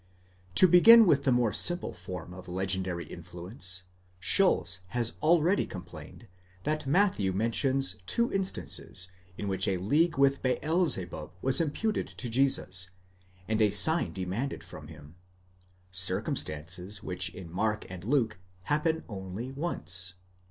To begin with the more simple form of legendary influence: Schulz has already complained, that Matthew mentions two instances, in which a league with Beelzebub was imputed to Jesus, and a sign demanded from him; cir cumstances which in Mark and Luke happen only once.!